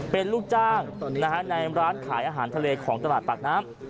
เป็นลูกจ้างในร้านขายอาหารทะเลของตลาดปากน้ำ